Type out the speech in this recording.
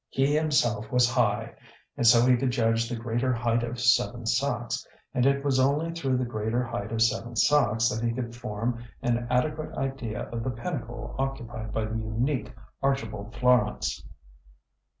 He himself was high, and so he could judge the greater height of Seven Sachs; and it was only through the greater height of Seven Sachs that he could form an adequate idea of the pinnacle occupied by the unique Archibald Florance.